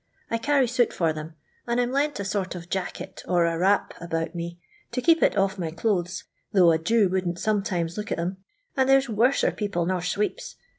I carry soot for them, and I 'm lent a sort of jacket, or a wrap about me, to keep it off my clothes — though a Jew wouldn't sometimes look at 'em — and there's worser people nor sweeps.